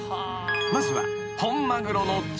［まずは］